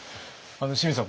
清水さん